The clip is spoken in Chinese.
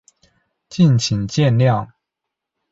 敬请见谅